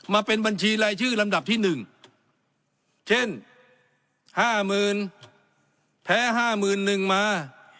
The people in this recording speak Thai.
มาเป็นบัญชีรายชื่อลำดับที่หนึ่งเช่นห้าหมื่นแพ้ห้าหมื่นนึงมา